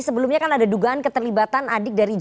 sebelumnya kan ada dugaan keterlibatan adik dari j